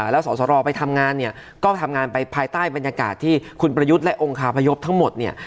แล้วสอสรไปทำงานเนี่ยก็ทำงานไปภายใต้บรรยากาศที่คุณประยุทธ์และองคาพยพทั้งหมดเนี่ย